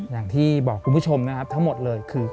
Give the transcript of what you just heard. อย่างที่บอกคุณผู้ชมนะครับทั้งหมดเลยคือ